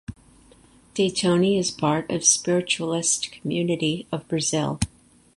De Toni is part of spiritualist community of Brazil.